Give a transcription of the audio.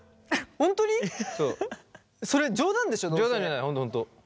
本当本当。